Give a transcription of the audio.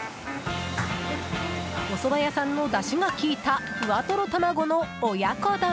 おそば屋さんのだしが効いたふわとろ卵の親子丼。